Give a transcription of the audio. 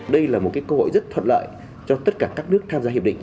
đây là một cơ hội rất thuận lợi cho tất cả các nước tham gia hiệp định